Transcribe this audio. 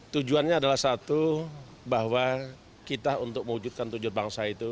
tujuannya adalah satu bahwa kita untuk mewujudkan tujuan bangsa itu